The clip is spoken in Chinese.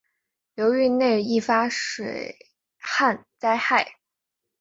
流域内易发生水旱灾害。